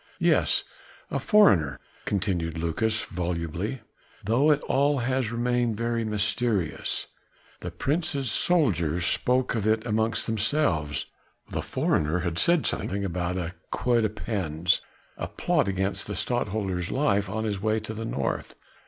"Yes, a foreigner," continued Lucas volubly, "though it all has remained very mysterious. The Prince's soldiers spoke of it amongst themselves ... the foreigner had said something about a guet apens, a plot against the Stadtholder's life on his way to the North